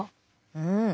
うん。